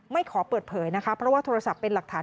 ขอเปิดเผยนะคะเพราะว่าโทรศัพท์เป็นหลักฐาน